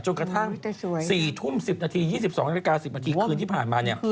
จนกระทั่ง๔ทุ่ม๑๐นาที๒๒นาทีกว่าคืนนี้ผ่านมา